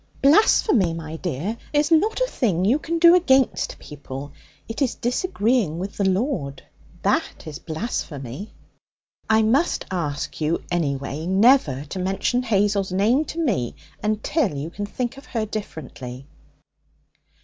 'Blasphemy, my dear, is not a thing you can do against people. It is disagreeing with the Lord that is blasphemy.' 'I must ask you, anyway, never to mention Hazel's name to me until you can think of her differently.'